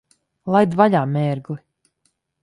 Laid vaļā, mērgli!